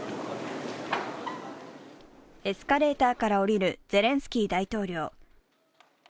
エスカレーターから降りるゼレンスキー大統領。